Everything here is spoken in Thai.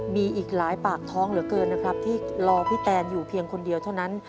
มีอีกหลายปากท้องเหลือเกินนะครับที่รอพี่แตนอยู่เพียงคนเดียวเท่านั้น